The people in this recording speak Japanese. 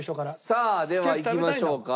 さあではいきましょうか。